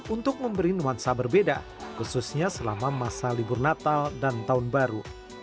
untuk memberi nuansa berbeda khususnya selama masa libur natal dan tahun baru